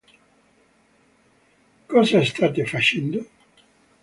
Cosa state facendo?